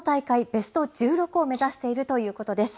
ベスト１６を目指しているということです。